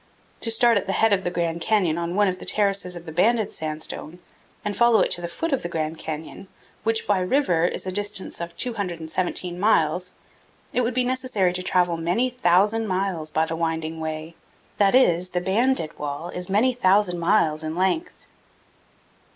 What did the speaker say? To start at the head of the Grand Canyon on one of the terraces of the banded sandstone and follow it to the foot of the Grand Canyon, which by river is a distance of 217 miles, it would be necessary to travel many thousand miles by the winding Way; that is, the banded wall is many thousand miles in length.